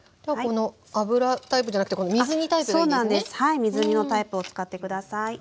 水煮のタイプを使って下さい。